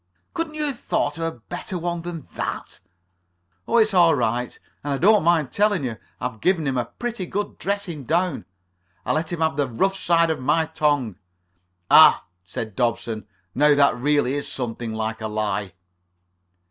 "Couldn't you have thought of a better one than that?" "Oh, it's all right. And I don't mind telling you I've given him a pretty good dressing down. I let him have the rough side of my tongue." "Ah," said Dobson, "now that really is something like a lie."